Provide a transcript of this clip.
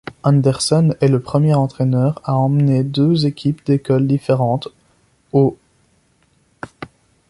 Anderson est le premier entraîneur à emmener deux équipes d'écoles différentes au '.